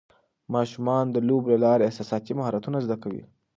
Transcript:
ماشومان د لوبو له لارې احساساتي مهارتونه زده کوي.